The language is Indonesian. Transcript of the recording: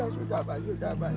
sudah pak sudah pak